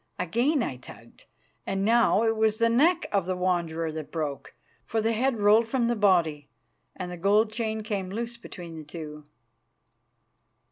Again I tugged, and now it was the neck of the Wanderer that broke, for the head rolled from the body, and the gold chain came loose between the two.